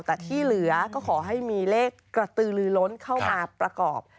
แต่ที่เหลือก็ขอให้มีเลขกระตือลือล้นเข้ามาประกอบ